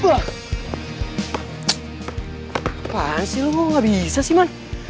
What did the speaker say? ya udah dikaya